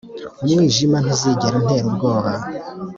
Umwijima ntuzigera unter’ ubwoba,